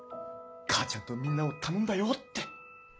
母ちゃんとみんなを頼んだよって。